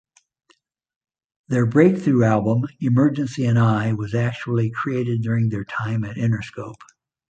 Their breakthrough album, "Emergency and I", was actually created during their time at Interscope.